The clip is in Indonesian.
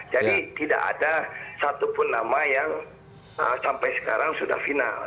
jadi tidak ada satu pun nama yang sampai sekarang sudah final